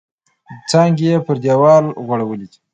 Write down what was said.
څانګې یې پر دیوال غوړولي وې.